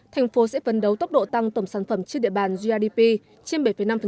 thành phố sẽ vấn đấu tốc độ tăng tổng sản phẩm trước địa bàn grdp trên bảy năm